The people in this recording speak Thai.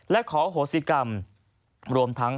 และขอโหสิกรรมรวมทั้ง